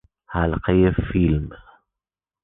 حلقه فیلم